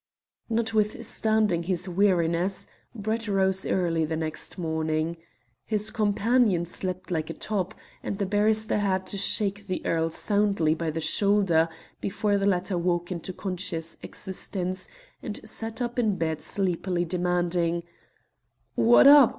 Notwithstanding his weariness, Brett rose early next morning. His companion slept like a top, and the barrister had to shake the earl soundly by the shoulder before the latter woke into conscious existence and sat up in bed sleepily demanding "What's up?